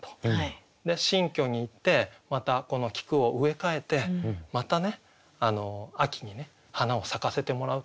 新居に行ってまたこの菊を植え替えてまたね秋にね花を咲かせてもらうと。